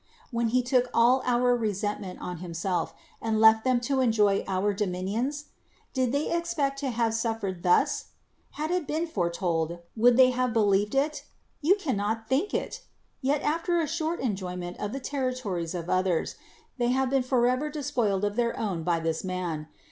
when he took all our resent ment on himself, and left them to enjoy our dominions? Did they expect to have suffered thus ? Had it been foretold, would they have be lieved it? You cannot think it! Yet, after a short enjoyment of the territories of others, they have been forever despoiled of their own by this riian.